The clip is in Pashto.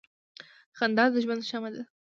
• خندا د ژوند شمع ده.